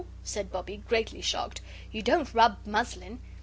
said Bobbie, greatly shocked; "you don't rub muslin.